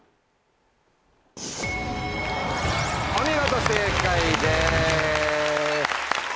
お見事正解です。